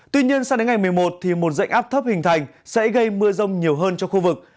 tuy nhiên sang đến ngày một mươi một một dạnh áp thấp hình thành sẽ gây mưa rông nhiều hơn cho khu vực